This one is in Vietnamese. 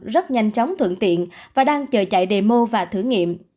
rất nhanh chóng thuận tiện và đang chờ chạy đề mô và thử nghiệm